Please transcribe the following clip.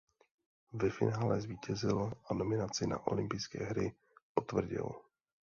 Ve finále zvítězil a nominaci na olympijské hry potvrdil.